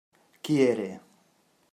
Qui era?